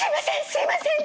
すいません！